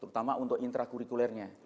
terutama untuk intra kurikulernya